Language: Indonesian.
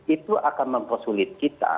itu akan mempersulit kita